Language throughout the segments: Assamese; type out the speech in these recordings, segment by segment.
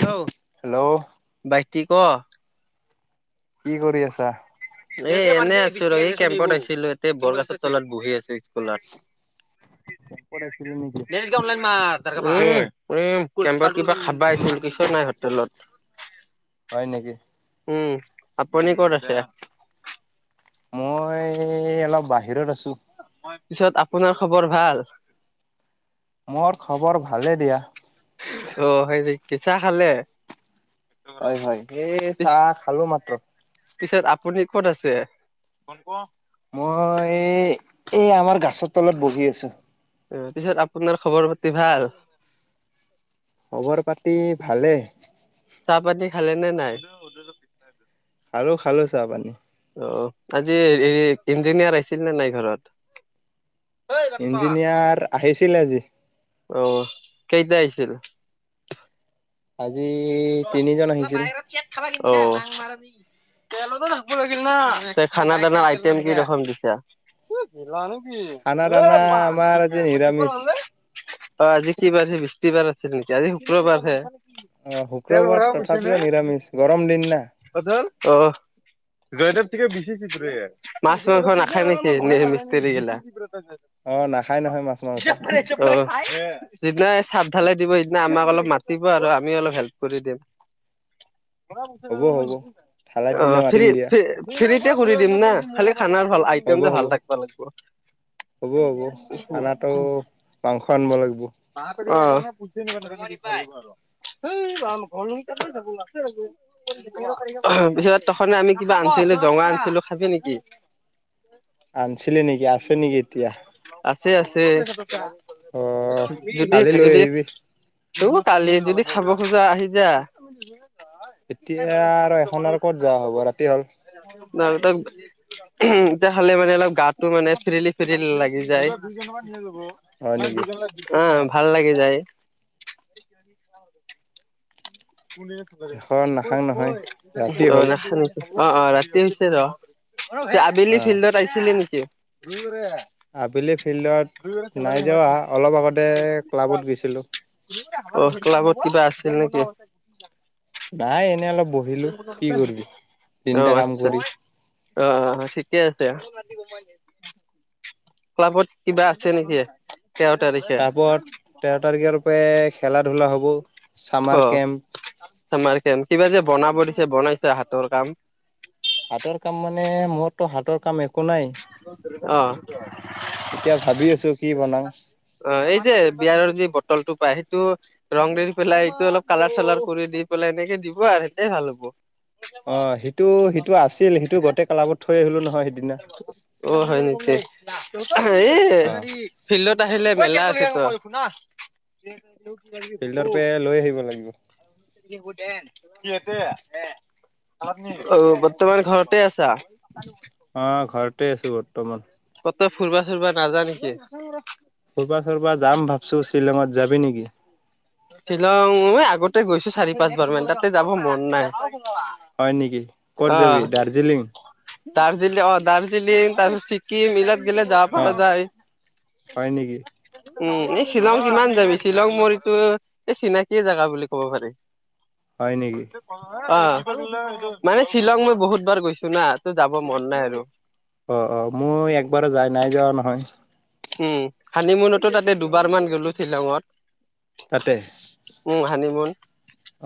হেল্ল' হেল্ল' কি বাইটি ঠিক ক'? কি কৰি আছা? এ' এনে আছো ৰ' কেম্পত আছিলো, এ' বৰগছৰ তলত বহি আছো স্কুলত। কেম্পত আহিছিলি নেকি? এ' কেম্পত কিবা খাবা আহিছিলোঁ, একো নাই হোটেলত। হয় নেকি। উম, আপুনি ক'ত আছে? মই অলপ বাহিৰত আছো। পিছত আপোনাৰ খবৰ ভাল? মোৰ খবৰ ভালে দিয়া। অ, হয় নেকি, চা খালে? হয় হয়, সেই চাহ খালো মাত্ৰ। পিছত আপুনি ক'ত আছে? [unintelligible] মই, এই আমাৰ গাছৰ তলত বহি আছোঁ। অ পিছত আপোনাৰ খবৰ পাতি ভাল? খবৰ পাতি ভালে। চাহ পানী খালে নে নাই? খালো খালো চাহ পানী। অ আজি ইঞ্জিনিয়াৰ আছিল নে নাই ঘৰত? ইঞ্জিনিয়াৰ আহিছিলে আজি। অ কেইটা আহিছিল? আজি তিনিজন আহিছিল। খাবা [unintelligible] [unintelligible] খানা দানা আইটেম কি ৰকম দিছা? [unintelligible] অ খানা আজি দানা কি আমাৰ আজি বাৰ নিৰামিষ। সি বৃষ্টিবাৰ আছে নেকি? আজি শুক্ৰবাৰ হে। অ শুক্ৰবাৰ তথাপিও নিৰামিষ গৰম দিন না। অ জয়দেৱ [unintelligible] মাছ মাংখ নাখাই নেকি মিস্তী গিলা? অ নাখায় নহয় মাছ মাংস। অ সিদিনা চাপঢালাই দিব সিদিনা আমাক অলপ মাতিব আৰু আমি অলপ হেল্প। কৰি হ'ব থালাৰ অ দিনা ফ্ৰি মাতিম দিয়া। ফ্ৰি [unintelligible] ফ্ৰীতে কৰি দিম না, খালি খানাৰ ভাল হ'ব আইটেমটা ভাল হ'ব থাকিব লাগিব। হ'ব হ'ব খানাতো মাংস আনিব লাগিব। ম পুজ [unintelligible] [unintelligible] পিছত তখনে আমি কিবা আনিছিলো জঙা আনিছিলো খাবি নেকি? আনিছিলি নেকি? আছে নেকি এতিয়া? আছে আছে। [unintelligible] অ কালি লৈ আহিবি ত কালি যদি খাব খোজা আহি যা। এতিয়া আৰু এখন আৰু ক'ত যোৱা হ'ব ৰাতি হ'ল। দঙ তাক [unintelligible] উ এতিয়া খালে মানে অলপ গাতটো মানে ফেৰিলি ফেৰিলি লাগি যায়। হয় নেকি অ, ভাল লাগি যায়। এখন নাখাং নহয় ৰাতি অ হ'ল নাখানো [unintelligible] অ অ ৰাতি হৈছে ৰ অ আবেলি ফিল্ডত আহিছিলি নেকি? আবেলি ফিল্ডত নাই যোৱা, অলপ আগতে ক্লাবত গৈছিলোঁ। অ' ক্লাবত কিবা আছিল নেকি? নাই এনেই অলপ বহিলো, কি কৰিবি তিনিটা কাম আচ্ছা কৰি। অ' অ' অ' ঠিকে আছে। ক্লাবত কিবা আছে নেকি তেৰ তাৰিখে? তাৰপৰত তেৰ তাৰিখেৰোপে খেলা ধূলা হ'ব ছামাৰ কেম্প- ছামাৰ কেম্প কিবা যে বনাব দিছে বনাইছে হাতৰ কাম। হাতৰ কাম মানে মৰতো হাতৰ কাম এক- কো নাই অ এতিয়া ভাবি আছো কি বনাম? অ এই যে বিয়াৰৰ যি বটলটো পায় সেইটো- ৰং দেৰি পেলাই এইটো অলপ কালাৰ চালাৰ কৰি দি পেলাই এনেকে দিব আৰু সেইটোৱে ভাল হ'ব। অঁ সিটো সিটো আছিল সিটো গোটেই কালাবত থৈ আহিলোঁ নহয় সিদিনা। অ হয় নেকি? অ এ' ফিল্ডত আহিলে মেলা পিছত। ফিল্ডৰ পে লৈ আহিব লাগিব। কি শুদে, কি হৈছে? এ' অ' বৰ্তমান ঘৰতে আছা? অঁ ঘৰতে আছোঁ বৰ্তমান। কতো ফুুৰবা চুৰিবা নাজা নেকি? ফুৰবা চুৰবা যাম ভাবছো। শ্বিলঙত যাবি নেকি? শ্বিলং মই আগতে গৈছো চাৰি পাঁচবাৰ মান তাতে যাব মন নাই। হয় নিকি ক'ত অ যাবি দাৰ্জিলিং? দাৰ্জিলিং অ দাৰ্জিলিং তাৰপিছত ছিকিম ইলাত- গেলে যাব অ পৰা যায়। হয় নেকি উম' এই শ্বিলং কিমান যাবি শ্বিলং মৰিতো- এই চিনাকিয়ে জেগা বুলি ক'ব পাৰি। হয় নেকি? অঁ' মানে শ্বিলং মই বহুত বাৰ গৈছো না তো যাব মন নাই আৰু। অ অ মই একবাৰো যায় নাই যোৱা নহয়। উম' হানিমুনতো তাতে দুবাৰ মান গ'লো শ্বিলঙত। তাতে। উম' হানি মোন।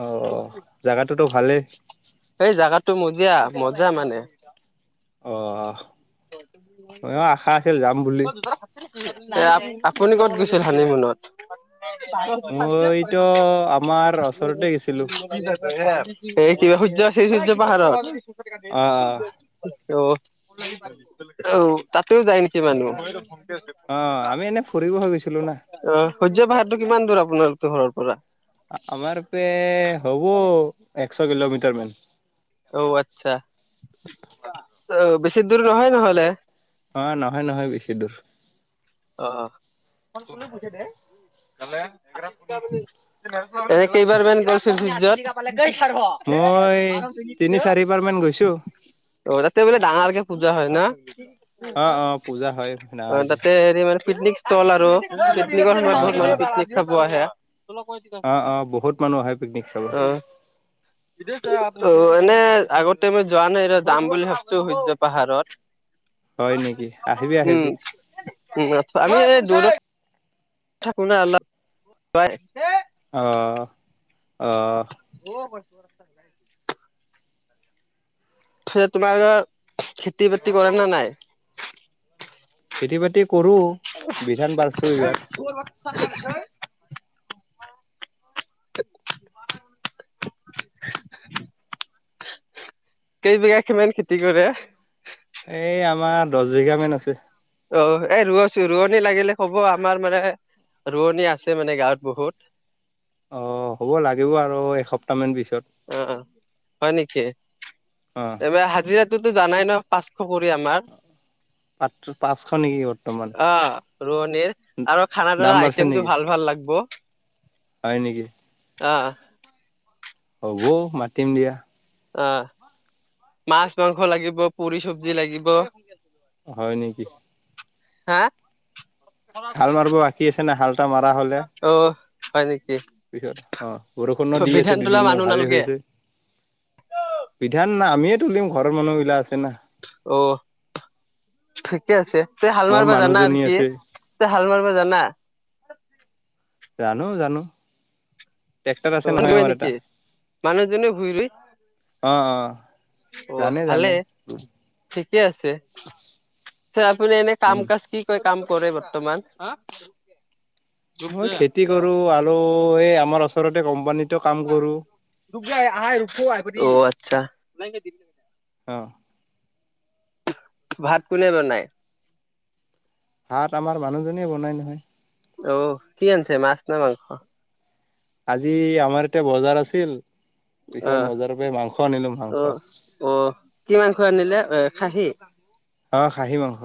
অ অ' জাগাটোতো ভালেই। এই জোগাটো মজিয়া মজা মানে। অ ময়ো আশা আছিল যাম বুলি [unintelligible] এ আপ আপুনি কত গৈছিল হানিমুনত? [unintelligible] মইতো আমাৰ ওচৰতে গৈছিলো এইয়ে এই কিবা সূৰ্য আছিল সূৰ্য পাহাৰত। অ অ অ অও' তাতও যায় নেকি মানুহ? অঁ আমি এনেই ফুৰিব হে গৈছিলোঁ না। অঁ' সূৰ্য পাহাৰটো কিমান দূৰ আপোনালোকৰ ঘৰৰ পৰা? আমাৰ পে হ'ব একশ কিলোমিটাৰ মান। অও আৎচ্ছা বেছি দূৰ নহয় নহলে। অঁ' নহয় নহয় বেছি দূৰ। অ' [unintelligible] এই কেইবাৰ মান যত- মই তিনি চাৰিবাৰ মান গৈছোঁ। অ' তাতে বোলে ডাঙৰকে পূজা হয় না। অঁ অঁ পূজা হয় অ ডাঙৰকে। তাতে হেৰি মানে পিকনিক স্থল আৰু পিকনিকৰসময়ত অ বহুত অ মানুহ পিকনিক খাব আহে। অ অ বহুত মানুহ আহে পিকনিক খাবলে অ অ এনে আগতে মই যোৱা নাই যাম বুলি ভাবিছো সূৰ্য পাহাৰত হয় নেকি আহিবি উম আহিবি উম আমি এই দূৰত থাকো না অলপ [unintelligible] অ অ অ হয় থে তোমালোকৰ থে খেতি বাতি কৰে নে নাই খেতি বাতি কৰোঁ [unintelligible] [unintelligible] কেইবিঘা কিমান খেতি কৰে এই আমাৰ দচ বিঘামান আছে অ এ ৰোৱছো ৰুৱনী লাগিলে কব আমাৰ মানে ৰুৱনী আছে মানে গাঁৱত বহুত অ হ'ব লাগিব আৰু এসপ্তাহ মান পিছত অ অ হয় নেকি অ হাজিৰাটোতো জানাই ন পাঁচশ কৰি আমাৰ পাত পাঁচশ নেকি বৰ্তমান অ' ৰুৱনীৰ আৰু খানা দাম পিনাৰ বাঢ়ছে আইটিয়েমটো নেকি ভাল ভাল লাগব হয় নেকি অ' হ'ব মাতিম দিয়া অ' মাছ মাংস লাগিব পুৰি চব্জি লাগিব হয় নেকি হা হাল মাৰিব বাকী আছে নাই হাল অ' হয় নেকি পিছত অ' বৰষুণো দি আছে বিধান তোলা দুদিনমান মানুহ ভালেই নালগে হৈছে পিধান না আমিয়ে তুলিম ঘৰৰ মানুহবিলাক আছে না অ' ঠিকে আছে তই হাল মোৰ মাৰিব জানা মানুহজনী নেকি আৰু আছে কি তই হাল মাৰিব জানা জানো জানো ট্ৰেক্টৰ আছে নহয় [unintelligible] আমাৰ এটা নেকি মানুহজনী ভূইৰুয়ে অ' অ জানে ভালে জানে উম ঠিকে আছে আপুনি এনে কাম উম কাজ কি কি কাম কৰে বৰ্তমান হা মই খেতি কৰো আৰু এই আমাৰ ওচৰতে কোম্পানীতো কাম কৰো [unintelligible] অ' আচ্ছা অ ভাত কোনে বনায় ভাত আমাৰ মানুহজনীয়ে বনায় নহয় অ কি আনিছে মাছ নে মাংস আজি আমাৰ ইয়াতে বজাৰ আছিল পিছত অ' বজাৰৰ পৰা মাংস আনিলো অ' মাংস অ' কি মাংস আনিলে এ খাহী অ' খাহী মাংস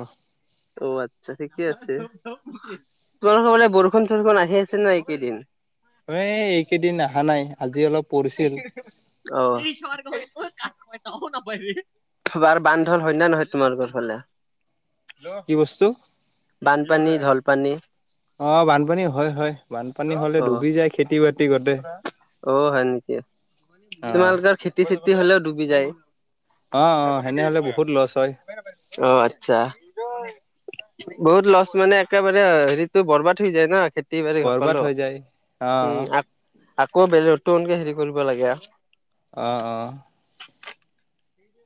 অ' আচ্ছা ঠিকেই আছে, তোমালোকে ফালে বৰষুণ সৰষুণ আহি আছে ন, এইদিন এ এইকেইদিন অহা নাই, আজি অলপ পৰিছিল। অহ'। বাৰ বান্ধল হয় নে নহয়, তোমাৰোকৰ ফালে কি বস্তু বানপানী, ঢলপানী অ' বানপানী হয়, হয়। বানপানী হ'লে অ', ডুবি যায়, খেতি-বাতি। অ' হয় নেকি, অ তোমালোকৰ খেতি-চেতি হ'লেও ডুবি যায় অ', অ' সেনেহ'লে বহুত লছ হয় অ' আচ্ছা। বহুত লছ মানে একেবাৰে হেৰিটো বৰবাদ হৈ যায় ন, খেতি খেতি-বাতি বৰবাদ সকলো, হৈ যায় অ উম আ-আকৌ নতুনকে হেৰি কৰিব লাগে আ। অ', অ'। [unintelligible]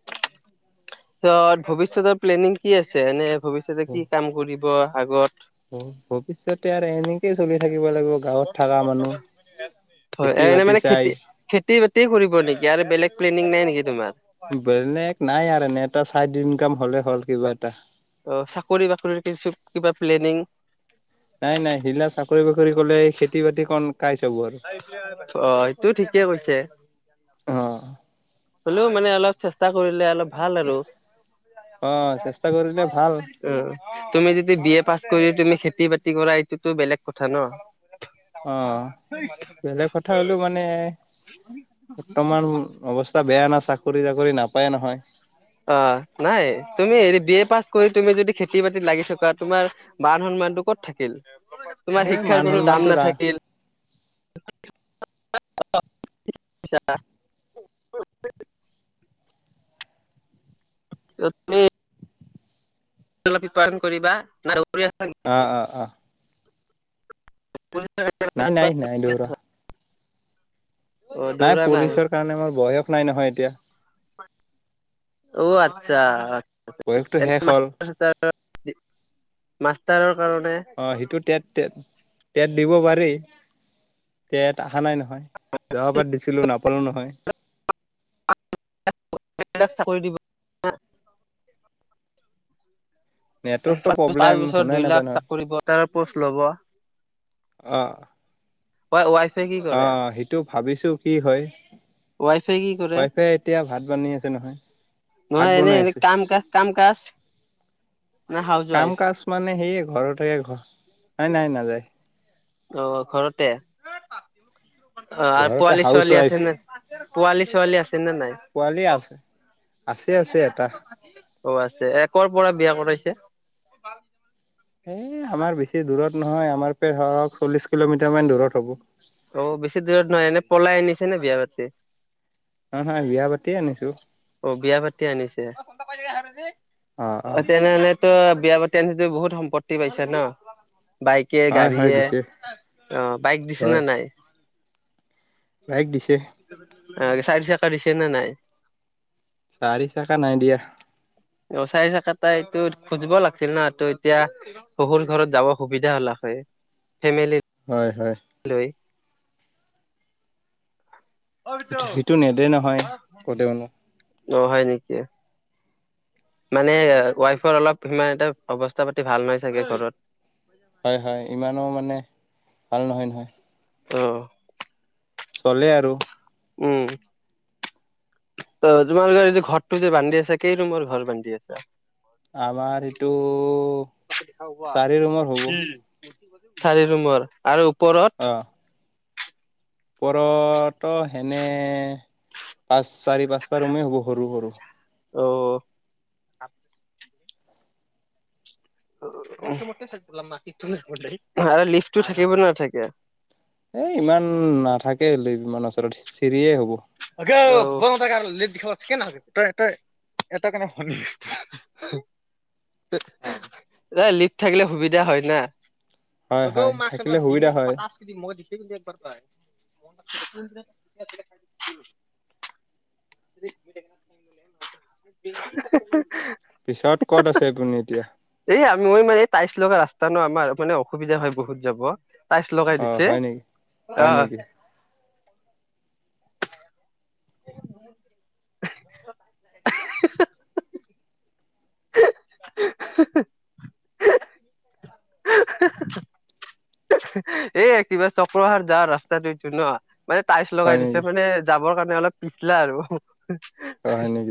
পিছত ভৱিষ্যতৰ প্লেনিং কি আছে, এনে ভৱিষ্যতে কি কাম কৰিব আগত অ' ভৱিষ্যতে আৰু এনেকেই চলি থাকিব লাগিব গাঁৱত থকা মানুহ, খেতি-বাতি চাই খেতি-বাতিয়ে কৰিব নেকি আৰু বেলেগ প্লেনিং নাই নেকি তোমাৰ? বেলেগ নাই আৰু এনে এটা চাইড ইনকাম হ'লেই হ'ল, কিবা এটা অ' চাকৰি-বাকৰিৰ কিছু কিবা প্লেনিং। নাই, নাই সেইবিলাক চাকৰি-বাকৰি কৰিলে, খেতি-বাতি কন, কাই চাব আৰু। অ' এটো ঠিকে কৈছে। অ হ'লেও মানে অলপ চেষ্টা কৰিলে অলপ ভাল আৰু অ চেষ্টা কৰিলে ভাল উম, তুমি যদি বি এ পাছ কৰি তুমি খেতি-বাতি কৰা, এইটোতো বেলেগ কথা ন। অ' বেলেগ কথা হ'লেও মানে বৰ্তমান অৱস্থা বেয়া না, চাকৰি-তাকৰি নাপায়ে নহয়। অ' নাই তুমি হেৰি বি এ পাছ কৰি তুমি যদি খেতি-বাতিত লাগি থকা তোমাৰ মান সন্মানটো ক'ত থাকিল, তোমাৰ এ মান শিক্ষাৰ কোনো দাম সন্মানটো ৰা নাথাকিল। [inaudible] কি কৰিছা। তুমি! [inaudible] কৰিবা বা। [inaudible] অ', অ', অ'। বুজি পাইছা। না-নাই, নাই দৌৰা ৰহ। অ নাই দৌৰা পুলিচৰ কাৰণে মই বয়স নাই নহয়, এতিয়া। অ' আচ্ছা। ৱেবটো শেষ হ'ল মাষ্টাৰৰ কাৰণে অ' হেইটো টেট, টেট, টেট দিব পাৰে, টেট অহা নাই নহয়। যোৱাবাৰ দিছিলো নাপালো নহয়। [inaudible] চাকৰি দিব। [inaudible] নেটৱৰ্কটো [inaudible] প্ৰব্লেম পাঁচ বছৰত শুনাই দুই নাপায় লাখ নহয় চাকৰি দিব, কৰ প'ষ্ট ল'ব। অহ'। হয়, ওৱাইফে কি কৰে অ', অ' সেইটো ভাবিছো কি হয়। ৱাই ফাই কি কৰি তাকে এতিয়া ভাত বনি আছে নহয়। ন ভাত বনাই এনে-এনে আছে কাম কা, কাম-কাজ ন কাম হাউচৱাইফ। কাজ মানে সেয়ে ঘৰতে ঘৰ, না নাই নাযায়। অ' ঘৰতে, অ' আৰু ঘৰতে হাউচ পোৱালি-ছোৱালী ৱাইফ আছে নে? পোৱালি-ছোৱালী আছে নে নাই? পোৱালি আছে আছে আছে এটা অ' আছে। এ কৰ পৰা বিয়া কৰাইছে? এই আমাৰ বেছি দূৰত নহয়, আমাৰ পেট হক চল্লিছ কিলোমিটাৰমান দূৰত হ'ব। অ' বেছি দূৰত নাই, এনে পলাইনিছে নে বিয়া পাতি? অ' হয়, বিয়া পাতিয়ে আনিছোঁ। অ' বিয়া পাতি আনিছে। অ' তেনেহ'লে ত বিয়া পাতি আনিছে, বহুত সম্পত্তি পাইছে ন? বাইকে, হয় হয় গাড়ীয়ে দিছে অ' বাইক দিছে না হয় নাই? বাইক দিছে। অ' চাৰি চকা দিছে না নাই? চাৰি চকা নাই দিয়া। অ' চাৰি চকা তই এইটো খুজিব লাগিছিল ন, তোৰ এতিয়া শহুৰ ঘৰত যাব সুবিধা হ'লা হয়। ফেমিলি হয়-হয়। হেল্ল' সেইটো-সেইটো নেদে নহয় ক'লে মোক। অ' হয় নেকি? মানে ৱাইফৰ অলপ সিমান এটা অৱস্থা পাতি ভাল নাই চাগে ঘৰত। হয়-হয়, ইমানো মানে ভাল নহয়-নহয়। অ' চলে আৰু। উম' ত তোমাৰ যে এই যে ঘৰটো যে বান্ধি আছা কেই নম্বৰ ঘৰ বান্ধি আছা? আমাৰ এইটো চাৰি নম্বৰ হ'ব। চাৰি নম্বৰ আৰু ওপৰত অ' ওপৰতো সেনে পাঁচ চাৰি পাঁচটা ৰুমেই হ'ব সৰু-সৰু। অ' লিফটো থাকিব নাথাকে? এ ইমান নাথাকে লিফট ইমান ওচৰত চিৰিয়ে হ'ব। [unintelligible] এই লিফট থাকিলে সুবিধা হয় না। হয় হয় থাকিলে সুবিধা হয় [unintelligible] [inaudible] [inaudible] পিছত ক'ত আছে আপুনি এতিয়া? এই আমি মানে এই টাইছ লগা ৰাস্তা ন আমাৰ মানে অসুবিধা হয় বহুত যাব। টাইচ লগাই অ', দিছে হয় নেকি? হয় অ' নেকি? [inaudible] [unintelligible] [unintelligible] [unintelligible] এ কিবা চক্ৰসাৰ যা ৰাস্তাটো ন। মানে টাইচ হয় লগাই নেকি? দিছে মানে যাবৰ কাৰণে অলপ পিছলা আৰু। অ', হয় নেকি?